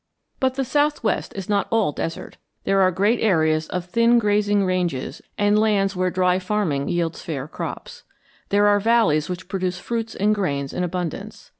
But the southwest is not all desert. There are great areas of thin grazing ranges and lands where dry farming yields fair crops. There are valleys which produce fruits and grains in abundance.